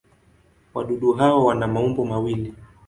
Wadudu hawa wana maumbo mawili.